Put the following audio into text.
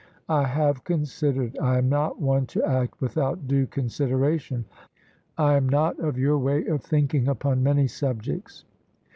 " I have considered. I am not one to act without due consideration." " I am not of your way of thinking upon many subjects."